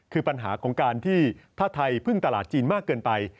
คือปัญหาของการที่ถ้าไทยพึ่งตลาดจีนมากเกินไป